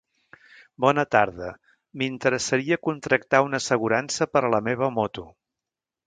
Bona tarda, m'interessaria contractar una assegurança per a la meva moto.